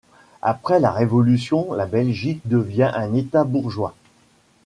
Après la révolution la Belgique devient un État bourgeois.